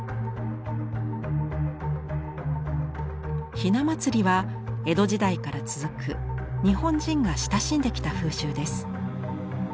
雛祭りは江戸時代から続く日本人が親しんできた風習です。